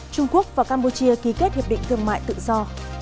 trung quốc và campuchia ký kết hiệp định thương mại tự do